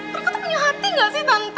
mereka tuh punya hati gak sih tante